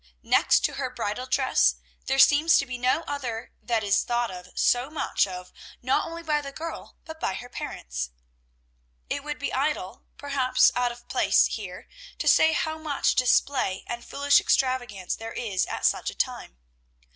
Next to her bridal dress, there seems to be no other that is thought so much of, not only by the girl, but by her parents. It would be idle, perhaps out of place here, to say how much display and foolish extravagance there is at such a time.